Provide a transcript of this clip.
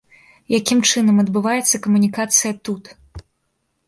Якім чынам адбываецца камунікацыя тут.